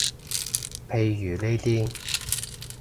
譬如呢啲